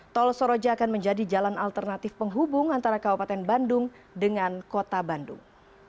tol soroja akan menjadi jalan alternatif penghubung antara kabupaten bandung dengan kota bandung